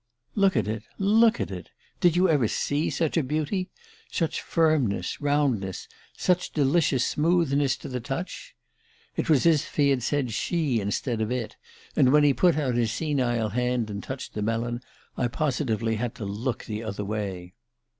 "'Look at it, look at it did you ever see such a beauty? Such firmness roundness such delicious smoothness to the touch?' It was as if he had said 'she' instead of 'it,' and when he put out his senile hand and touched the melon I positively had to look the other way.